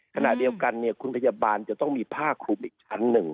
ขณะเดียวกันคุณพยาบาลจะต้องมีผ้าคลุมอีกชั้นหนึ่ง